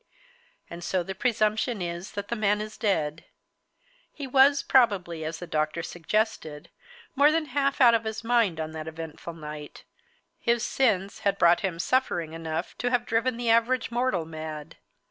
And so the presumption is that the man is dead. He was, probably, as the doctor suggested, more than half out of his mind on that eventful night; his sins had brought him suffering enough to have driven the average mortal mad.